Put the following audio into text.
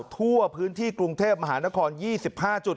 ทั่วพื้นที่กรุงเทพมหานครยี่สิบห้าจุด